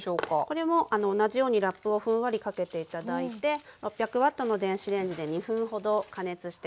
これも同じようにラップをふんわりかけて頂いて６００Ｗの電子レンジで２分ほど加熱して下さい。